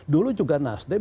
dulu juga nasdem